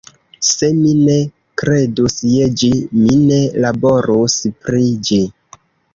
Se mi ne kredus je ĝi, mi ne laborus pri ĝi.